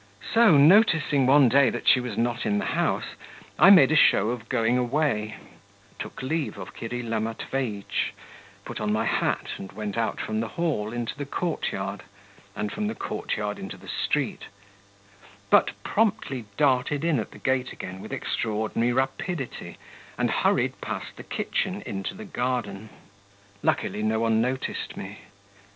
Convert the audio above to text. So, noticing one day that she was not in the house, I made a show of going away, took leave of Kirilla Matveitch, put on my hat, and went out from the hall into the courtyard, and from the courtyard into the street, but promptly darted in at the gate again with extraordinary rapidity and hurried past the kitchen into the garden. Luckily no one noticed me.